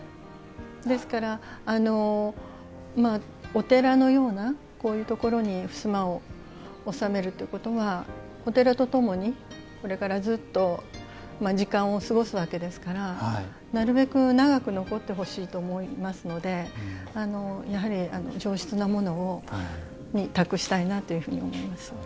ですからお寺のようなこういうところに襖を納めるということはお寺とともにこれからずっと時間を過ごすわけですからなるべく長く残ってほしいと思いますのでやはり上質なものに託したいなというふうに思います。